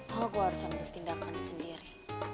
oh gue harus ambil tindakan sendiri